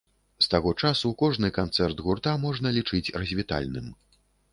З таго часу кожны канцэрт гурта можна лічыць развітальным.